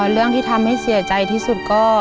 เรื่องที่ทำให้เสียใจที่สุดก็